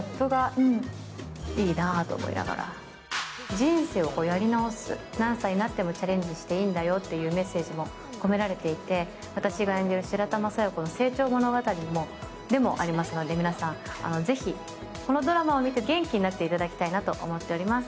人生をやり直す、何回チャレンジしてもいいんだよというメッセージも込められていて、私が演じる白玉佐弥子の成長物語でもありますので、皆さん、ぜひこのドラマを見て元気になっていただきたいなと思っております。